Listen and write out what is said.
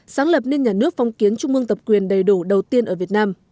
sáng lập nên nhà nước phong kiến trung mương tập quyền đầy đủ đầu tiên ở việt nam